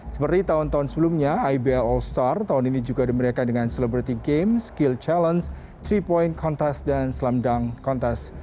seperti tahun tahun sebelumnya ibl all star tahun ini juga diberikan dengan celebrity game skill challenge tiga point contest dan slam dunk contest